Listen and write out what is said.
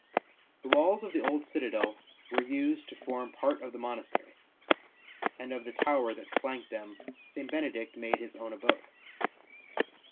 The walls of the old citadel were used to form part of the monastery, and of the tower that flanked them St. Benedict made his own abode.